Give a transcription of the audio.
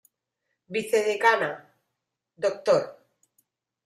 Vicedecana: Dr.